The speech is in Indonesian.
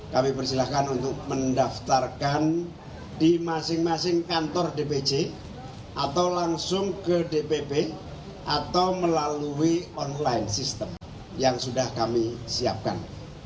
kami persilahkan untuk mendaftarkan di masing masing kantor dpc atau langsung ke dpp atau melalui online system yang sudah kami siapkan